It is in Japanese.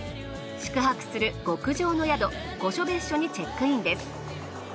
宿泊する極上の宿御所別墅にチェックインです。